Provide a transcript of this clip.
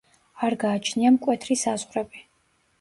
არ გააჩნია მკვეთრი საზღვრები.